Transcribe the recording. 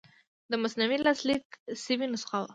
د مثنوي لاسلیک شوې نسخه وه.